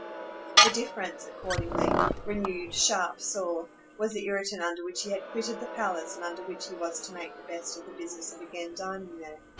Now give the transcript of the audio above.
The difference, accordingly, renewed, sharp, sore, was the irritant under which he had quitted the palace and under which he was to make the best of the business of again dining there.